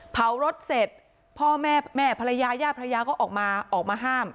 เผารถเสร็จพ่อแม่แม่ภรรยาย่าภรรยาก็ออกมาออกมาห้าม